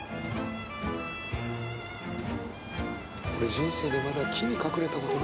俺人生でまだ木に隠れたことない。